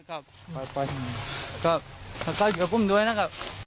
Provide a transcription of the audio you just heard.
แรงจริง